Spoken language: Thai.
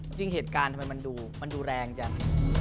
จริงเหตุการณ์ทำไมมันดูมันดูแรงจัง